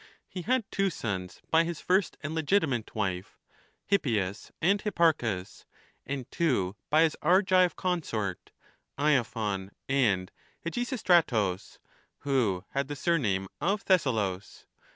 17 He had two sons by his first and legitimate 1 wife, Hippias and Hipparchus, and two by his Argive consort, lophon and Hegesistratus, who had the surname of Thessalus.